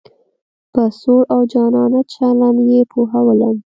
په سوړ او جانانه چلن یې پوهولم.